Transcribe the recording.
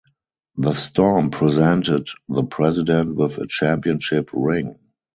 The Storm presented the President with a championship ring.